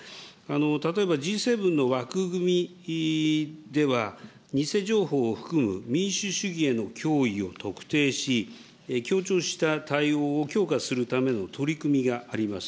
例えばＧ７の枠組みでは、偽情報を含む民主主義への脅威を特定し、協調した対応を強化するための取り組みがあります。